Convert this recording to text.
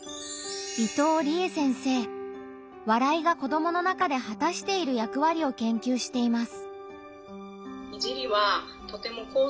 「笑い」が子どもの中ではたしている役割を研究しています。